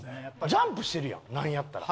ジャンプしてるやんなんやったら。